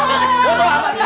aduh apaan ya